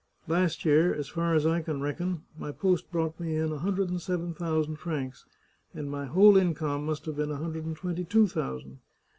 Last year, as far as I can reckon, my post brought me in a hundred and seven thousand francs, and my whole income must have been a hundred and twenty two thousand.